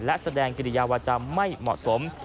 และแสดงกิริยาวาจาไม่เหมาะสม